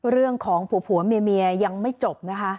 เรื่องของผัวเมียยังไม่จบนะคะ